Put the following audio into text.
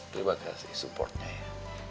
terima kasih supportnya